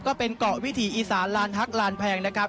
ก็เป็นเกาะวิถีอีสานลานฮักลานแพงนะครับ